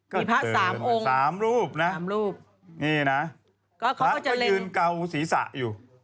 มีพระสามองค์สามรูปนะ๓รูปนี่นะพระก็ยืนเกาศีรษะอยู่